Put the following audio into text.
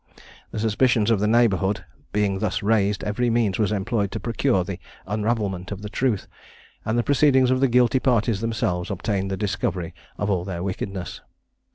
The suspicions of the neighbourhood having thus been raised, every means was employed to procure the unravelment of the truth, and the proceedings of the guilty parties themselves obtained the discovery of all their wickedness.